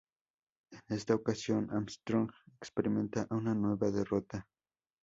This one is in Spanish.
En esta ocasión, Armstrong experimenta una nueva derrota.